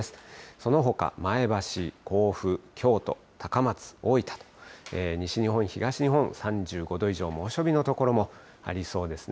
そのほか、前橋、甲府、京都、高松、大分と、西日本、東日本、３５度以上、猛暑日の所もありそうですね。